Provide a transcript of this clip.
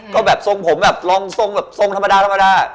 ก็แบบทรงผมแบบลองทรงธรรมดา